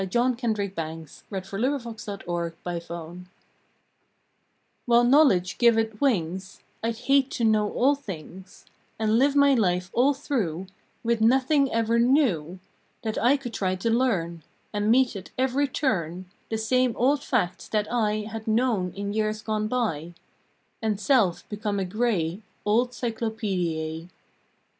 November Fifth THE WHIMSICAL PHILOSOPHER "117HILE Knowledge giveth wings, I d hate to know all things, And live my life all through With nothing ever new That I could try to learn; And meet at every turn The same old facts that I Had known in years gone by, And Self become a gray Old Cyclopediay!